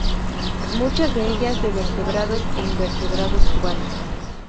Muchas de ellas de vertebrados e invertebrados cubanos.